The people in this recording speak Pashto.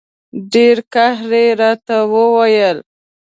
ډېر قهر یې راته وویل.